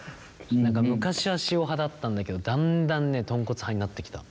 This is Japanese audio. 昔は塩派だったんだけどだんだんねとんこつ派になってきた。